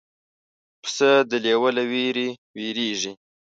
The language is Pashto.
پسه د لیوه له وېرې وېرېږي.